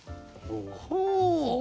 ほう。